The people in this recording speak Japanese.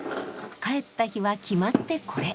帰った日は決まってこれ。